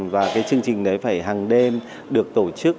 và cái chương trình đấy phải hàng đêm được tổ chức